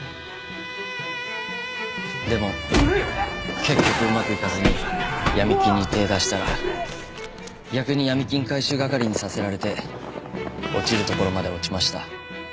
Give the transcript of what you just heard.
でも結局うまくいかずに闇金に手ぇ出したら逆に闇金回収係にさせられて落ちるところまで落ちました。